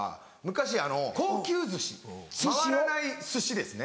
昔高級寿司回らない寿司ですね。